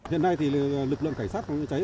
hiện nay thì lực lượng cảnh sát phòng trái trái